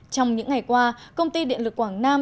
trong những ngày qua công ty điện lực quảng nam